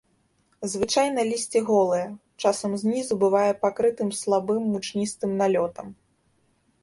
Звычайна лісце голае, часам знізу бывае пакрытым слабым мучністым налётам.